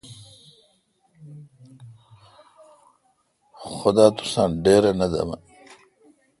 خدا تساں ڈیراے° نہ دمہ۔